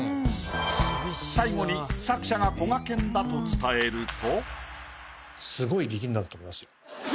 最後に作者がこがけんだと伝えると。